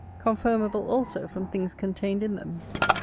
Confirmable also from things contained in them.